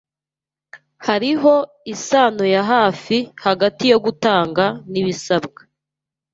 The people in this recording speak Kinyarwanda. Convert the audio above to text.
Hariho isano ya hafi hagati yo gutanga nibisabwa.